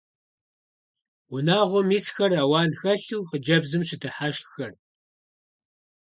Унагъуэм исхэр ауан хэлъу хъыджэбзым щыдыхьэшххэрт.